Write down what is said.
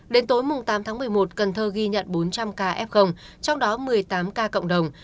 đến tối tám tháng một mươi một cần thơ ghi nhận bốn trăm linh ca f trong đó một mươi tám ca cộng đồng